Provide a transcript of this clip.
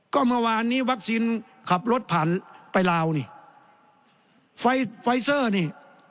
ก็เมื่อวานนี้วัคซีนขับรถผ่านไปลาวนี่ไฟไฟเซอร์นี่